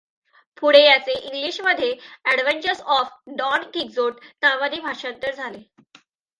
पुढे याचे ईंग्लिशमध्ये ऍड्व्हेन्चर्स ऑफ डॉन क्विक्झोट नावाने भाषांतर झाले.